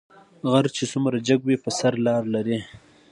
غر چې څومره جګ وي په سر لار لري